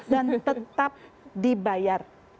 dan tetap dibayar